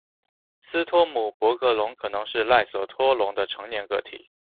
斯托姆博格龙可能是赖索托龙的成年个体。